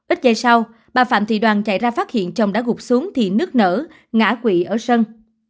ít giây sau bà phạm thị đoàn chạy ra phát hiện chồng đã gục xuống thì nứt nở ngã quỵ ở sân